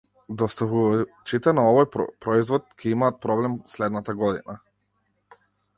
Доставувачите на овој производ ќе имаат проблем следната година.